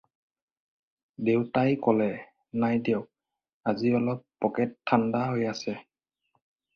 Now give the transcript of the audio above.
দেউতাই কলে- "নাই দিয়ক, আজি অলপ পকেট ঠাণ্ডা হৈ আছে।"